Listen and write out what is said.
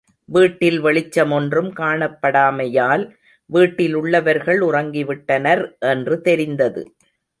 வீட்டில் வெளிச்சமொன்றும் காணப்படாமையால் வீட்டிலுள்ளவர்கள் உறங்கிவிட்டனர் என்று தெரிந்தது.